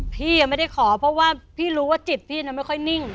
พี่ไม่ได้ขอเพราะว่าพี่รู้ว่าจิตพี่ไม่ค่อยนิ่ง